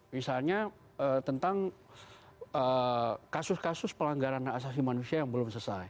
misalnya tentang kasus kasus pelanggaran hak asasi manusia yang belum selesai